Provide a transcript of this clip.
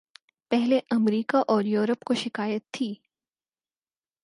پہلے امریکہ اور یورپ کو شکایت تھی۔